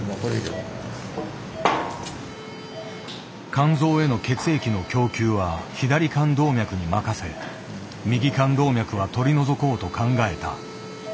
肝臓への血液の供給は左肝動脈に任せ右肝動脈は取り除こうと考えた。